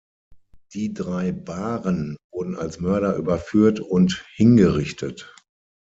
Die drei Bahren wurden als Mörder überführt und hingerichtet.